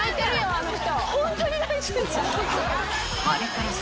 あの人。